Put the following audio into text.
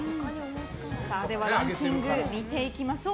ランキング見ていきましょう。